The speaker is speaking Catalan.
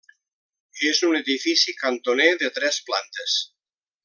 És un edifici cantoner de tres plantes.